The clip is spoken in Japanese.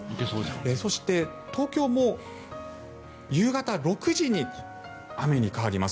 そして東京も夕方６時に雨に変わります。